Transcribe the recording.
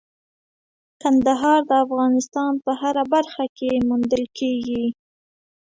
کندهار د افغانستان په هره برخه کې موندل کېږي.